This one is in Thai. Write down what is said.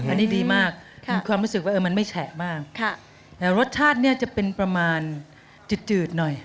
อันนี้ดีมากมีความรู้สึกว่าเออมันไม่แฉะมากแต่รสชาติเนี่ยจะเป็นประมาณจืดหน่อย